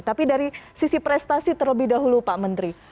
tapi dari sisi prestasi terlebih dahulu pak menteri